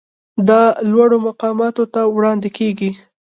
دا لوړو مقاماتو ته وړاندې کیږي.